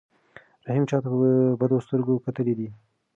رحیم چاته په بدو سترګو کتلي دي؟